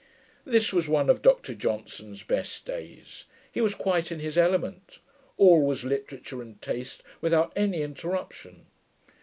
This was one of Dr Johnson's best days. He was quite in his element. All was literature and taste, without any interruption.